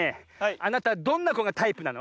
あなたどんなこがタイプなの？